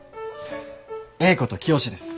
栄子と清です。